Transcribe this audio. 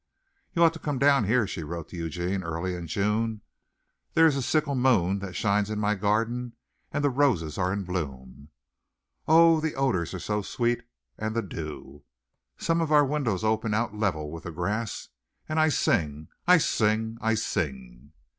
"You ought to come down here," she wrote to Eugene early in June. "There is a sickle moon that shines in my garden and the roses are in bloom. Oh, the odors are so sweet, and the dew! Some of our windows open out level with the grass and I sing! I sing!! I sing!!!"